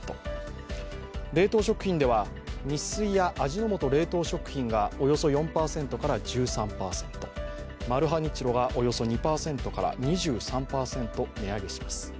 冷凍食品ではニッスイや味の素冷凍食品がおよそ４％から１３％、マルハニチロがおよそ２％から２３％値上げします。